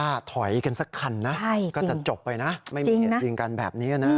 ถ้าถอยกันสักคันนะก็จะจบไปนะไม่มีเหตุยิงกันแบบนี้นะ